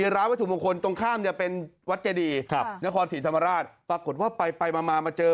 ละครศรีสมรรจปรากฏว่าไปไปมามาเจอ